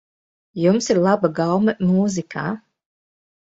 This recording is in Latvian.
Jums ir laba gaume mūzikā.